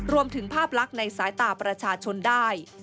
รวมถึงภาพลักษณ์ในสายตาประชาชนได้